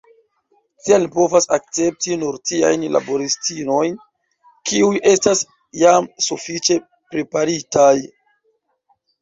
Tial ni povas akcepti nur tiajn laboristinojn, kiuj estas jam sufiĉe preparitaj.